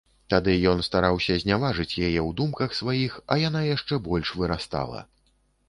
Тады ён стараўся зняважыць яе ў думках сваіх, а яна яшчэ больш вырастала.